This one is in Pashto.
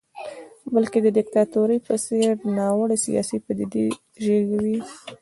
بلکې د دیکتاتورۍ په څېر ناوړه سیاسي پدیدې زېږوي.